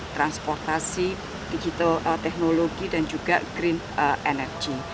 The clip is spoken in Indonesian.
transportasi digital teknologi dan juga green energy